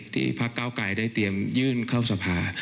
ที่พระคาวไกรได้เตรียมยื่นเข้าสภา